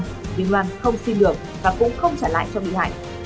nhưng loan không xin được và cũng không trả lại cho bị hại